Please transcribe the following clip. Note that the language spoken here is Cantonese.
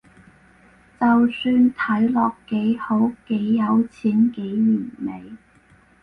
就算睇落幾好，幾有錢，幾完美